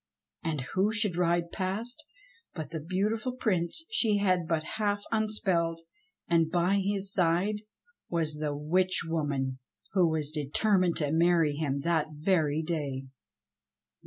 And who should ride past but the beautiful Prince she had but half unspelled, and by his side was the witch woman who was determined to marry him that very day.